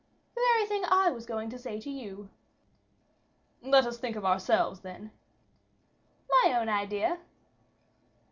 "The very thing I was going to say to you." "Let us think of ourselves, then." "My own idea."